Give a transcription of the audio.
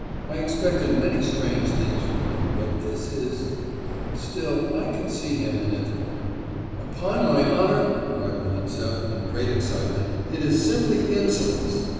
'I expected many strange things from him, but this is Still I can see him in it.' 'Upon my honour!' cried Volintsev, in great excitement, 'it is simply insolence!